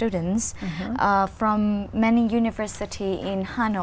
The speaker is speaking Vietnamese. đã đến việt nam